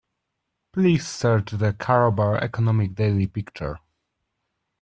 Please search the Karobar Economic Daily picture.